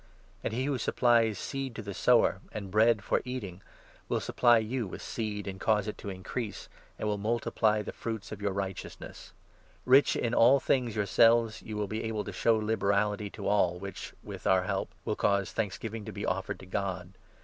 And he who supplies 'seed to the sower, and bread for eating,' 10 will supply you with seed, and cause it to increase, and will multiply ' the fruits of your righteousness '). Rich in all 1 1 things yourselves, you will be able to show liberality to all, which, with our help, will cause thanksgiving to be offered to God.